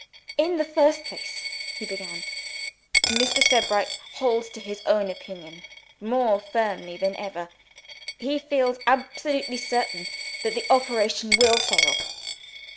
"In the first place," he began, "Mr. Sebright holds to his own opinion more firmly than ever. He feels absolutely certain that the operation will fail."